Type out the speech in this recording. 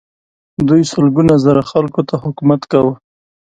دوی سلګونه زره خلکو ته حکومت کاوه.